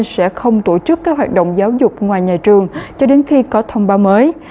sẽ không tổ chức các hoạt động giáo dục ngoài nhà trường cho đến khi có thông báo mới